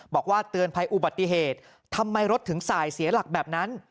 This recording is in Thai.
บอกว่าเตือนภัยอุบัติเหตุทำไมรถถึงสายเสียหลักแบบนั้น